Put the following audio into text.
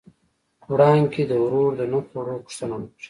وړانګې د ورور د نه خوړو پوښتنه وکړه.